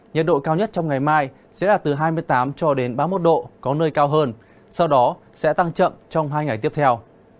nhiệt độ cao nhất trong ngày mai sẽ là từ hai mươi tám cho đến ba mươi một độ có nơi cao hơn sau đó sẽ tăng chậm trong hai ngày tiếp theo